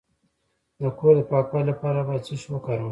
د کور د پاکوالي لپاره باید څه شی وکاروم؟